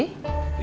halo pak sanusi